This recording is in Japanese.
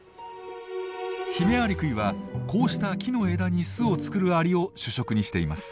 ヒメアリクイはこうした木の枝に巣を作るアリを主食にしています。